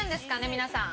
皆さん。